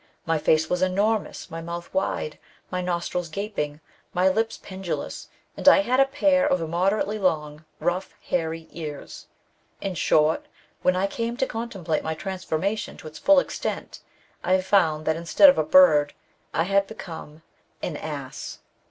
My face was enormous, my mouth wide, my nostrils gaping, my lips pendulous, and I had a pair of immoderately long, rough, hairy ears. In short, when I came to contemplate my transformation to its full extent, I found that, instead of a bird, I had become — an ass."